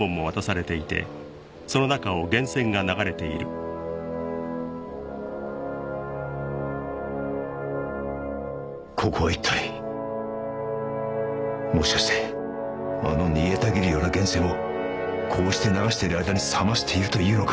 あこれはここは一体もしかしてあの煮えたぎるような源泉をこうして流している間に冷ましているというのか